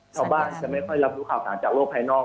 ชาวบ้านจะไม่ค่อยรับรู้ข่าวสารจากโลกภายนอก